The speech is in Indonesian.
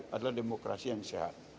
adalah demokrasi yang sehat